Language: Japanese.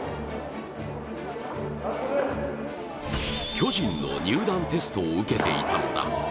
巨人の入団テストを受けていたのだ。